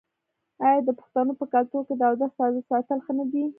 آیا د پښتنو په کلتور کې د اودس تازه ساتل ښه نه دي؟